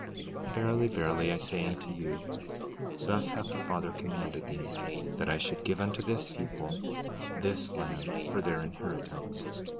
16:16 Verily, verily, I say unto you, thus hath the Father commanded me—that I should give unto this people this land for their inheritance.